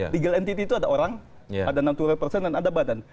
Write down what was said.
legal entity itu ada orang ada nantura person dan ada badan